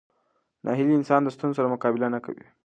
ناهیلي انسان د ستونزو سره مقابله نه کوي.